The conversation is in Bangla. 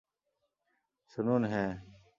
শুনুন, - হ্যাঁ।